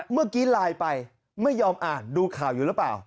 เมื่อกี้ไลน์ไปไม่ยอมอ่านดูข่าวอยู่หรือเปล่า